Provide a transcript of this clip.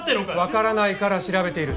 わからないから調べている。